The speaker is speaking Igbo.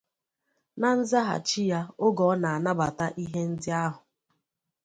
Na nzaghachi ya oge ọ na-anabata ihe ndị ahụ